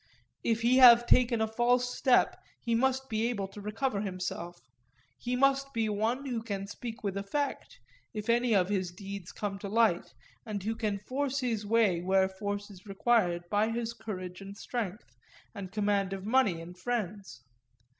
If he have taken a false step he must be able to recover himself; he must be one who can speak with effect, if any of his deeds come to light, and who can force his way where force is required by his courage and strength, and command of money and friends.